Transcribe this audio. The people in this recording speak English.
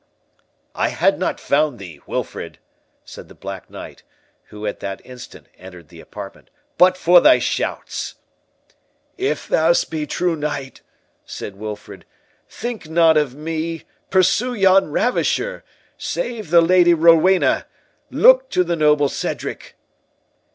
"I had not found thee, Wilfred," said the Black Knight, who at that instant entered the apartment, "but for thy shouts." "If thou be'st true knight," said Wilfred, "think not of me—pursue yon ravisher—save the Lady Rowena—look to the noble Cedric!"